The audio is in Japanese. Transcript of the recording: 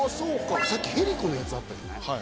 さっきヘリコのやつあったじゃない？